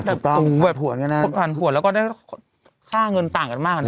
ถูกต้องแบบผวนกันแล้วผวนผวนแล้วก็ได้ค่าเงินต่างกันมาก